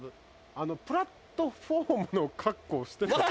あのプラットホームの格好をして飛ぶ。